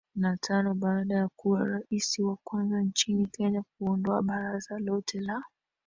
na tano baada ya kuwa Rais wa kwanza nchini Kenya kuondoa baraza lote la